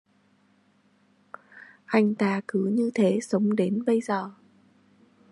Anh ta cứ như thế sống đến bây giờ